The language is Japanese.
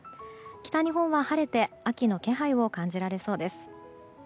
北日本は晴れて秋の気配を感じられそうです。